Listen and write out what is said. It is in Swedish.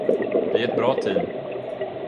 Vi är ett bra team!